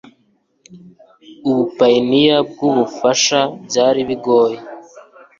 ubupayiniya bw ubufasha byari bigoye